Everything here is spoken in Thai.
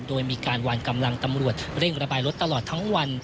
โดยมีการวางกำลังตำรวจเร่งระบายรถตลอดทั้งวัน